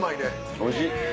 おいしい！